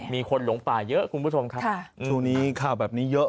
มีคนหลงป่าเยอะคุณผู้ชมครับ